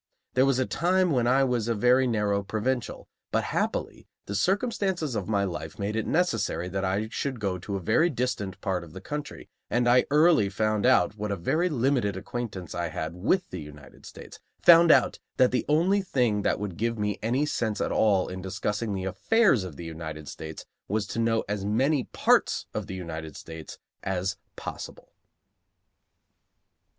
There was a time when I was a very narrow provincial, but happily the circumstances of my life made it necessary that I should go to a very distant part of the country, and I early found out what a very limited acquaintance I had with the United States, found out that the only thing that would give me any sense at all in discussing the affairs of the United States was to know as many parts of the United States as possible.